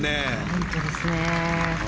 本当ですね。